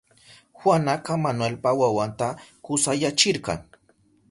Juanaka Manuelpa wawanta kusayachirka.